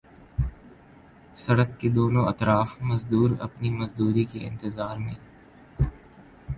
سڑک کے دونوں اطراف مزدور اپنی مزدوری کے انتظار میں